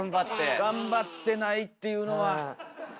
頑張ってないっていうのは。